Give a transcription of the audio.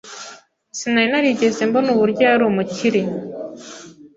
Sinari narigeze mbona uburyo yari umukire.